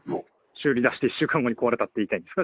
修理に出して１週間で壊れたって言いたいんですか？